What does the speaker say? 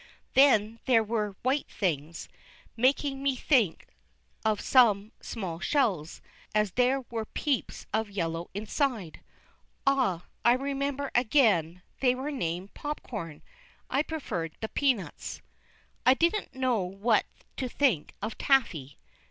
Then there were white things, making me think of some small shells, as there were peeps of yellow inside. Ah, I remember again, they were named "popcorn." I preferred the peanuts. I didn't know what to think of "taffy."